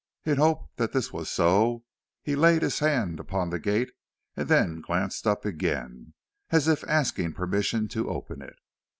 In the hope that this was so, he laid his hand upon the gate and then glanced up again, as if asking permission to open it.